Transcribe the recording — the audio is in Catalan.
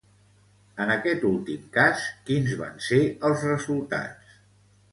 En aquest últim cas, quins van ser els resultats?